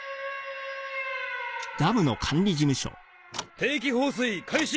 定期放水開始！